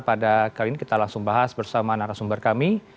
pada kali ini kita langsung bahas bersama narasumber kami